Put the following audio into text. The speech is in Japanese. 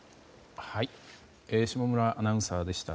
下村アナウンサーでした。